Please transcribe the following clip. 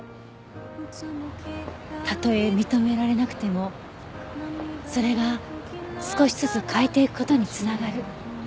たとえ認められなくてもそれが少しずつ変えていく事に繋がる。